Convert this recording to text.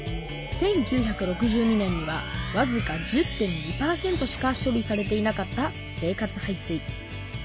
１９６２年にはわずか１０．２％しか処理されていなかった生活排水。